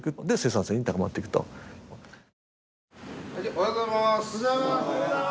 おはようございます。